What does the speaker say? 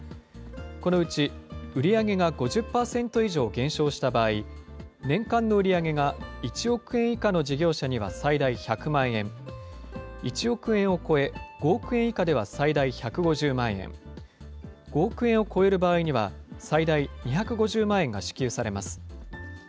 このうち、売り上げが５０％以上減少した場合、年間の売り上げが１億円以下の事業者には最大１００万円、１億円を超え、５億円以下では最大１５０万円、５億円を超える場合には最大２５０万円が支給されます。